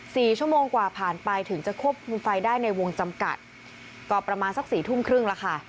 สี่ชั่วโมงกว่าผ่านไปถึงจะควบคุมไฟได้ในวงจำกัดก็ประมาณสักสี่ทุ่มครึ่งแล้วค่ะ